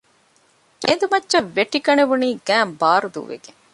އެނދު މައްޗަށް ވެއްޓިގަނެވުނީ ގައިން ބާރު ދޫވެގެން